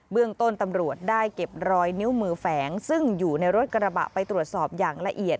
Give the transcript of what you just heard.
เรื่องต้นตำรวจได้เก็บรอยนิ้วมือแฝงซึ่งอยู่ในรถกระบะไปตรวจสอบอย่างละเอียด